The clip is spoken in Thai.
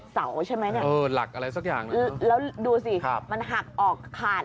เสาใช่ไหมเนี่ยเออหลักอะไรสักอย่างนะแล้วดูสิมันหักออกขาด